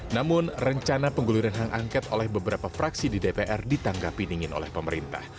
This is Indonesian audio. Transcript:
namun rencana pengguliran hak angket oleh beberapa fraksi di dpr ditanggapi dingin oleh pemerintah